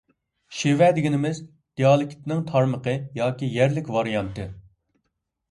شېۋە دېگىنىمىز – دىئالېكتنىڭ تارمىقى ياكى يەرلىك ۋارىيانتى.